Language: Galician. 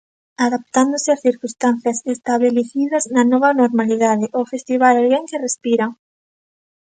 Adaptándose ás circunstancias estabelecidas na nova normalidade, o festival Alguén que respira!